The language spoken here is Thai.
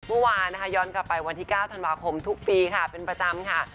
เมื่อวานนะคะย้อนกลับไปวันที่๙ธันวาคมทุกปีค่ะเป็นประจำค่ะ